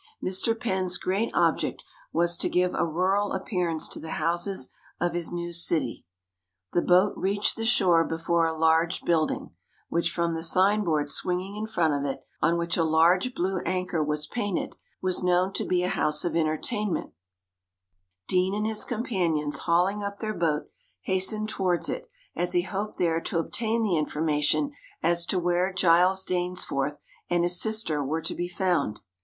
Mr Penn's great object was to give a rural appearance to the houses of his new city. The boat reached the shore before a large building, which from the sign board swinging in front of it, on which a large blue anchor was painted, was known to be a house of entertainment Deane and his companions, hauling up their boat, hastened towards it, as he hoped there to obtain the information as to where Giles Dainsforth and his sister were to be found.